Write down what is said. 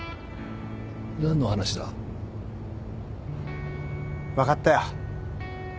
何の話だ分かったよ